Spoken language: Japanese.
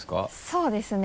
そうですね